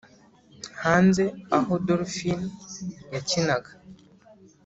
hanze aho dolphine yakinaga,